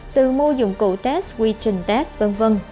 từ mô dụng cụ test quy trình test v v